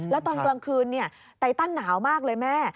แล้วตอนกลางคืนไตตันหนาวมากเลยแม่